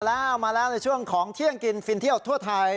แล้วมาแล้วในช่วงของเที่ยงกินฟินเที่ยวทั่วไทย